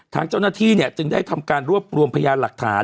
ทางเจ้าหน้าที่จึงได้ทำการรวบรวมพยานหลักฐาน